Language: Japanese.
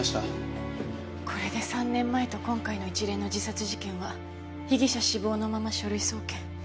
これで３年前と今回の一連の自殺事件は被疑者死亡のまま書類送検。